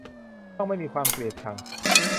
ต้องไม่มีความเกลียดชัง